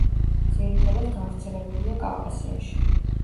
ძირითადად გავრცელებულია კავკასიაში.